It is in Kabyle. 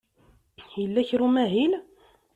Yella kra n umahil?